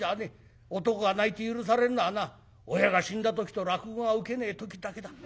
男が泣いて許されるのはな親が死んだ時と落語がウケねえ時だけだ。